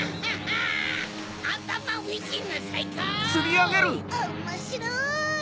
おもしろい！